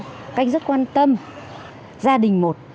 các anh rất quan tâm gia đình một